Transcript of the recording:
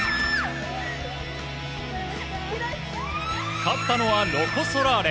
勝ったのはロコ・ソラーレ！